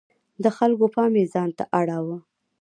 د خلکو پام یې ځانته اړاوه.